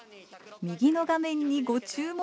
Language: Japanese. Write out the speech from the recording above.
右の画面にご注目。